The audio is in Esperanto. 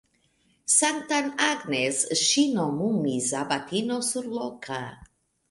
Sanktan Agnes ŝi nomumis abatino surloka.